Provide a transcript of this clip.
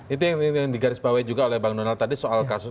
itu yang digarisbawahi juga oleh bang donald tadi soal kasus